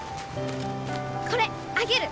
これあげる！